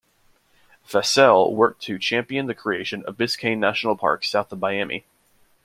Fascell worked to champion the creation of Biscayne National Park, south of Miami.